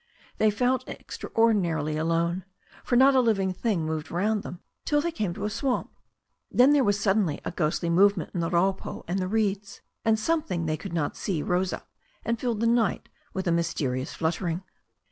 They felt extraordinarily alone, for not a live thing moved round them till they came to a swamp. Then there was suddenly a ghostly movement in the rapoo and the reeds, and something they could not see rose up and filled the night with a mysterious fluttering.